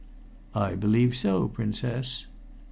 "I believe so, Princess."